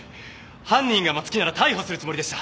犯人が松木なら逮捕するつもりでした。